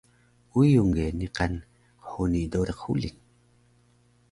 uyung ge niqan qhuni doriq huling